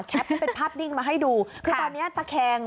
ที่เป็นภาพดิ้งมาให้ดูคือตอนนี้ตะแคง